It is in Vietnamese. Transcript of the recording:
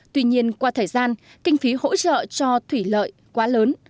tuy nhiên qua thời gian kinh phí hỗ trợ cho thủy lợi quá lớn